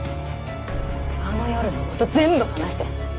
あの夜の事全部話して。